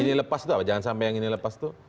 ini lepas itu apa jangan sampai yang ini lepas tuh